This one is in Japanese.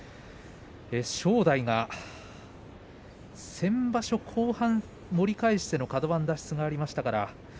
正代が先場所、後半盛り返してのカド番脱出がありました。